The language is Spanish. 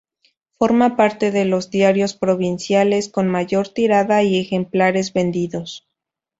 Forma parte de los diarios provinciales con mayor tirada y ejemplares vendidos.